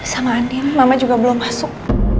sama andin mama juga belum masuk